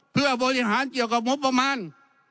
เพื่อบริหารเกี่ยวกับงบประมาณ